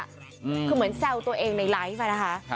คือเหมือนแซวตัวเองในไลฟ์อ่ะนะคะ